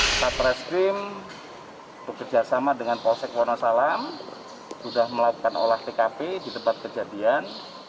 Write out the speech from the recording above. kita preskrim bekerjasama dengan polsek wonosalam sudah melakukan olah pkp di tempat kejadian